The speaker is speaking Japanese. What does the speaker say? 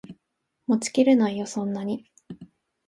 持ちきれないよそんなに